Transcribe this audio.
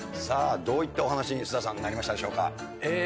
さあどういったお話に菅田さんなりましたでしょうか？